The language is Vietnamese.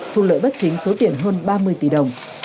thu lợi bất chính số tiền hơn ba mươi tỷ đồng